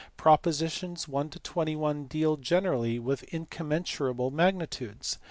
Propositions 1 to 21 deal generally with incommensurable magnitudes.